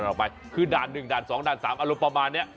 ง่ายแตกต่างกันออกไปคือด่านหนึ่งด่านสองด่านสามอารมณ์ประมาณเนี้ย